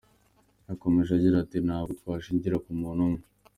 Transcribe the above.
Yakomeje agira ati “Ntabwo twashingira ku muntu umwe.